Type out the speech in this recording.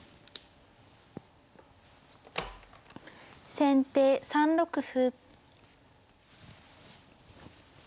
先手３六歩。